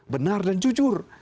benar dan jujur